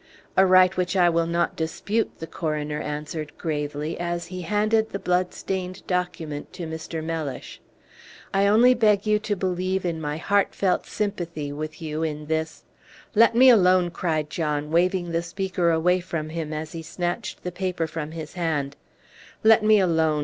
"A right which I will not dispute," the coroner answered, gravely, as he handed the blood stained document to Mr. Mellish. "I only beg you to believe in my heart felt sympathy with you in this " "Let me alone!" cried John, waving the speaker away from him as he snatched the paper from his hand; "let me alone!